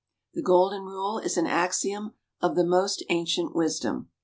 The golden rule is an axiom of the most ancient wisdom.